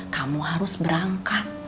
kamu harus berangkat